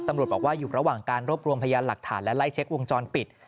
ตำรวจบอกว่าอยู่ระหว่างการรวบรวมพยานหลักฐานและไล่เช็ควงจรปิด